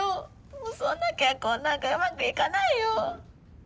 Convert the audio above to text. もうそんな結婚なんかうまくいかないよ！